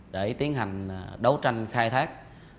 để tiến hành đấu tranh khai thác